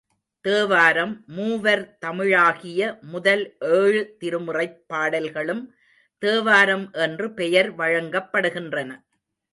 தேவாரம் மூவர் தமிழாகிய முதல் ஏழு திருமுறைப் பாடல்களும் தேவாரம் என்று பெயர் வழங்கப் படுகின்றன.